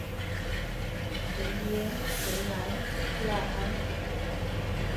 维耶维莱赖埃。